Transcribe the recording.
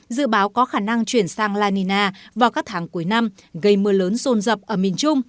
dự báo có khả năng chuyển sang la nina vào các tháng cuối năm gây mưa lớn rồn rập ở miền trung